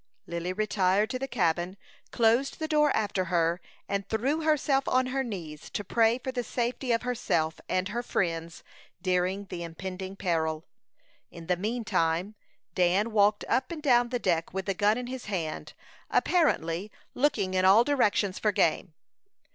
Lily retired to the cabin, closed the door after her, and threw herself on her knees to pray for the safety of herself and her friends during the impending peril. In the mean time, Dan walked up and down the deck, with the gun in his hand, apparently looking in all directions for game.